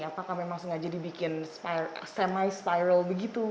apakah memang sengaja dibikin semi semi